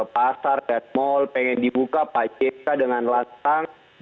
pasar dan mall pengen dibuka pak jk dengan lantang